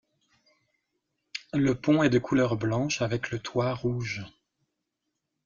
Le pont est de couleur blanche avec le toit rouge.